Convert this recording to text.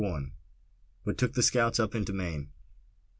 WHAT TOOK THE SCOUTS UP INTO MAINE.